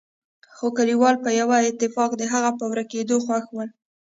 خو کليوال په يوه اتفاق د هغه په ورکېدو خوښ ول.